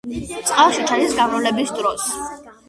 წყალში ჩადის გამრავლების დროს.